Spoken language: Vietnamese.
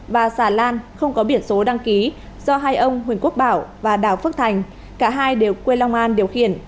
và xà lan không có biển số đăng ký do hai ông huỳnh quốc bảo và đào phước thành cả hai đều quê long an điều khiển